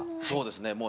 そうですね。